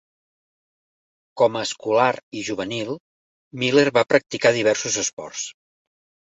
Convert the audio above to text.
Com a escolar i juvenil, Miller va practicar diversos esports.